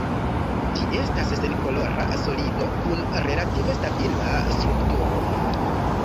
Ĝi estas senkolora solido kun relative stabila strukturo.